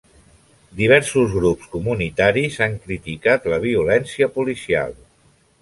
Diversos grups comunitaris han criticat la violència policial.